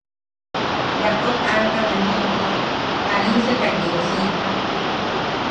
Baakot aakame jiʼibwa jariuseka yeu siika.